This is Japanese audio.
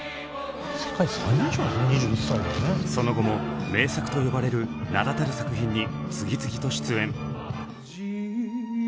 その後も名作と呼ばれる名だたる作品に次々と出演。